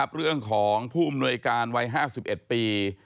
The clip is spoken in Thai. เรื่องของผู้อำนวยการวัย๕๑ปี